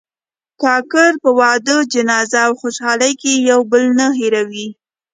کاکړ په واده، جنازه او خوشحالۍ کې یو بل نه هېروي.